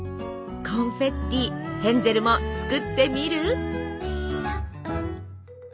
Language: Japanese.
コンフェッティヘンゼルも作ってみる？